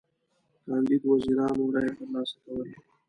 کاندید وزیرانو رایی تر لاسه کولې.